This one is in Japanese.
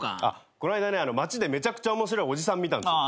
こないだね街でめちゃくちゃ面白いおじさん見た。